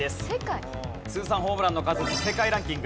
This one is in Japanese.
通算ホームランの数世界ランキング。